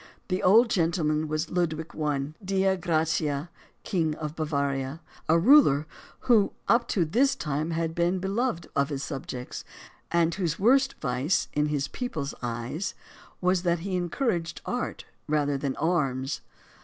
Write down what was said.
The old gentleman was Ludwig I. Dei gratia, King of Bavaria, a ruler who up to this time had been beloved of his subjects; and whose worst vice, in his people's eyes, was that he encouraged art rather than arms.